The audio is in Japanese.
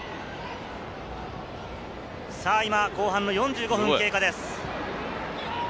今、後半の４５分経過です。